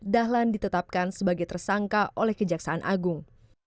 dahlan ditetapkan sebagai tersangka oleh kejaksaan agung